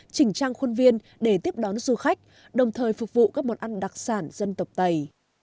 chỉnh trang khuôn viên để tiếp đón du khách đồng thời phục vụ các món ăn đặc sản dân tộc tây